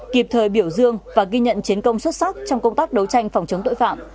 kịp thời biểu dương và ghi nhận chiến công xuất sắc trong công tác đấu tranh phòng chống tội phạm